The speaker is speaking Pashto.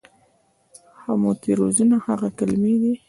همتوریزونه هغه کلمې دي